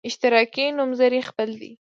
اشتراکي نومځري خپل دی.